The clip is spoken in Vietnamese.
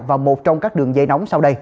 và một trong các đường dây nóng sau đây